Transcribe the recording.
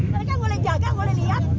mereka boleh jaga boleh lihat